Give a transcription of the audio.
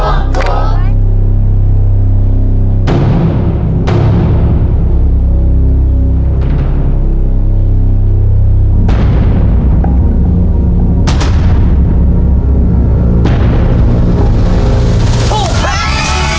ถูกถูกถูกถูก